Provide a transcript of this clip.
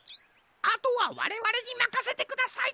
あとはわれわれにまかせてください。